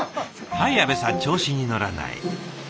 はい阿部さん調子に乗らない。